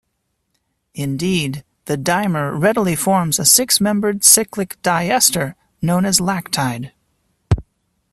Indeed, the dimer readily forms a six-membered cyclic diester known as lactide.